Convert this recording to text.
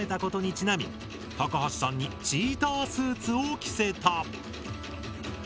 ちなみ高橋さんにチータースーツを着せた。